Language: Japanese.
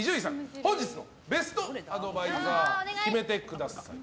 本日のベストアドバイザーを決めてください。